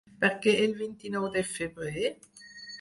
Per què el vint-i-nou de febrer?